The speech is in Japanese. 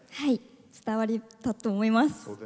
伝わったと思います。